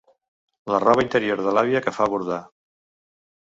La roba interior de l'àvia que fa bordar.